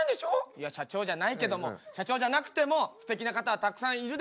いや社長じゃないけども社長じゃなくてもすてきな方はたくさんいるでしょ。